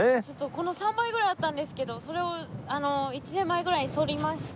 この３倍ぐらいあったんですけどそれを１年前ぐらいに剃りまして。